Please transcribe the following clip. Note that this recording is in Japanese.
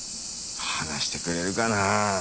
話してくれるかな。